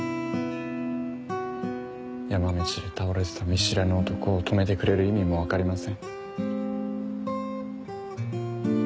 山道で倒れていた見知らぬ男を泊めてくれる意味も分かりません。